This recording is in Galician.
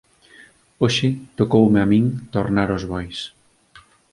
Hoxe toucoume a min tornar os bois.